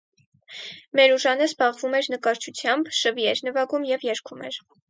Մերուժանը զբաղվում էր նկարչությամբ, շվի էր նվագում և երգում էր։